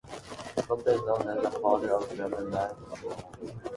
Sometimes known as "the father of German rationalism".